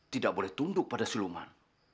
tidak boleh tunduk pada siluman